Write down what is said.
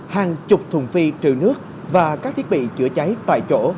hàng chục thùng phi trừ nước và các thiết bị chữa cháy tại chỗ